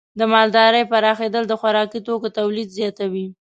د مالدارۍ پراخېدل د خوراکي توکو تولید زیاتوي.